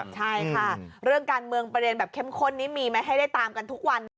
ใช่ค่ะเรื่องการเมืองประเด็นแบบเข้มข้นนี้มีไหมให้ได้ตามกันทุกวันนะ